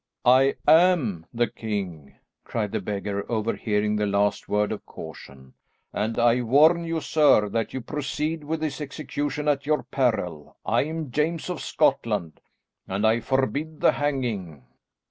"I am the king," cried the beggar, overhearing the last word of caution, "and I warn you, sir, that you proceed with this execution at your peril. I am James of Scotland, and I forbid the hanging."